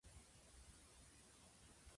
大晦日は、年越しそばを食べます。